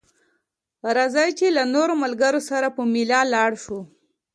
راځه چې له نورو ملګرو سره په ميله لاړ شو